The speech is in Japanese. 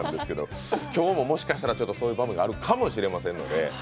今日ももしかしたらそういう場面があるかもしれませんので。